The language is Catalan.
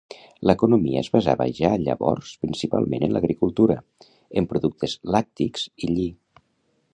L'economia es basava ja llavors principalment en l'agricultura, en productes làctics i lli.